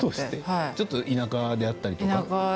ちょっと田舎だったりとか。